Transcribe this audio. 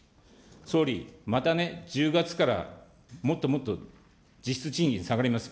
総理、またね、１０月からもっともっと実質賃金下がります。